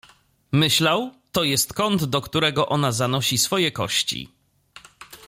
Myślał: — To jest kąt, do którego ona zanosi swoje kości.